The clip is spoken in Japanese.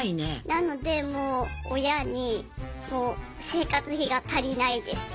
なのでもう親に生活費が足りないです